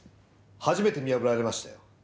初めて見破られましたよ。